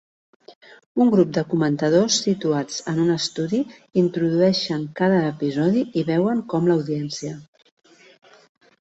Un grup de comentadors situats en un estudi introdueixen cada episodi i veuen com l'audiència.